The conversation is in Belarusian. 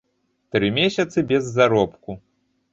Тры месяцы без заробку.